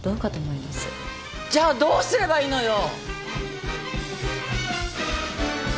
じゃあどうすればいいのよ！？